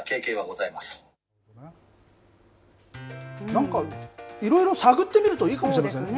なんか、いろいろ探ってみるといいかもしれませんね。